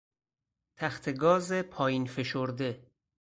تختهگاز پایین فشرده